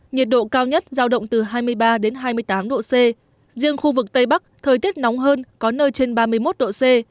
nhiệt độ cao nhất giao động từ hai mươi ba đến hai mươi tám độ c riêng khu vực tây bắc thời tiết nóng hơn có nơi trên ba mươi một độ c